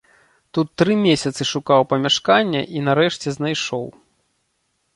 Тут тры месяцы шукаў памяшканне і нарэшце знайшоў.